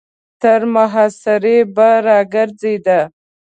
تر محاصرې به را ګرځېده.